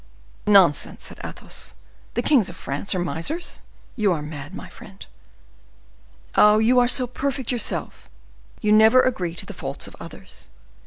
"Nonsense!" said Athos, "the kings of France misers? You are mad, my friend." "Oh! you are so perfect yourself, you never agree to the faults of others.